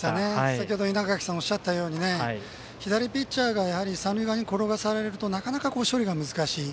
先ほど稲垣さんがおっしゃったように左ピッチャーが三塁側に転がされるとなかなか処理が難しい。